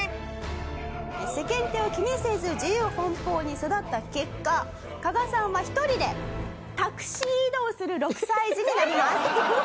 世間体を気にせず自由奔放に育った結果加賀さんは１人でタクシー移動する６歳児になります。